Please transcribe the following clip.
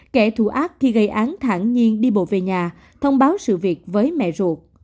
kẻ thù ác khi gây án thản nhiên đi bộ về nhà thông báo sự việc với mẹ ruột